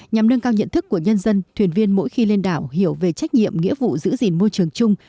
nhằm nâng cao nhận thức của nhân dân thuyền viên mỗi khi lên đảo hiểu về trách nhiệm nghĩa vụ giữ gìn môi trường chung